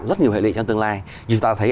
rất nhiều hệ lịnh trong tương lai như chúng ta thấy